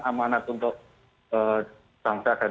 amanat untuk bangsa daripada kita